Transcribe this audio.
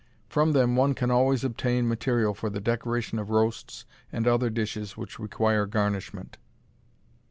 From them one can always obtain material for the decoration of roasts and other dishes which require garnishment.